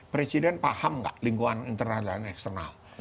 presiden paham nggak lingkungan internal dan eksternal